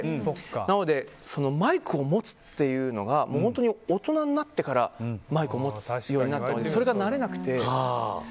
なのでマイクを持つっていうのが大人になってからマイクを持つようになったのでそれが慣れなくて。